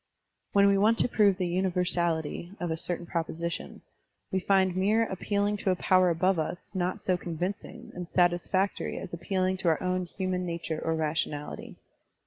When we want to prove the tmiversality of a certain proposition, we find mere appealing to a power above us not so convincing and satisfactory as appealing to our own human nature or rationality.